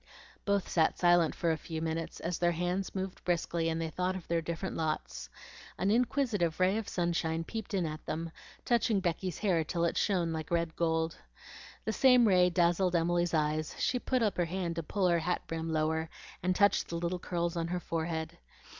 Both sat silent for a few minutes, as their hands moved briskly and they thought of their different lots. An inquisitive ray of sunshine peeped in at them, touching Becky's hair till it shone like red gold. The same ray dazzled Emily's eyes; she put up her hand to pull her hat brim lower, and touched the little curls on her forehead.